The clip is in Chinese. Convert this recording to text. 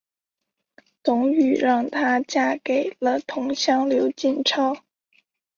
董瑀让她嫁给了同乡刘进超。